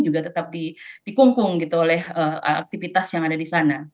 juga tetap dikungkung gitu oleh aktivitas yang ada di sana